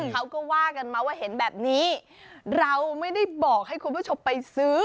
เขาก็ว่ากันมาว่าเห็นแบบนี้เราไม่ได้บอกให้คุณผู้ชมไปซื้อ